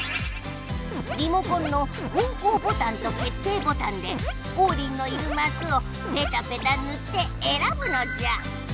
リモコンの方向ボタンと決定ボタンでオウリンのいるマスをペタペタぬってえらぶのじゃ！